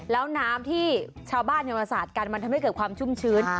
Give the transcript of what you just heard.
แล้วน้ำที่ชาวบ้านมาสาดกันมันทำให้เกิดความชุ่มชื้น